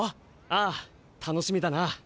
ああ楽しみだな！